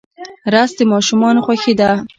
رس د ماشومانو خوښي ده